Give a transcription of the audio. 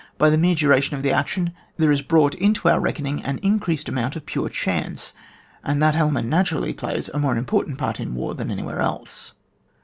By the mere duration of the action there is brought into our reckoning an increased amount of pure chance, and that element naturally plays a more im portant part in war than anywhere else.